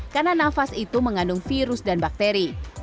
karena nafas itu mengandung virus dan bakteri